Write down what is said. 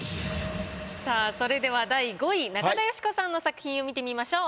さあそれでは第５位中田喜子さんの作品を見てみましょう。